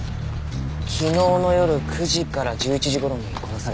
昨日の夜９時から１１時頃に殺されたんですね。